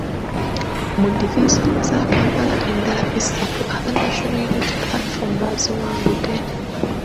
Mu divizoni za Kampala endala esatu aba National Unity Platform baziwangudde.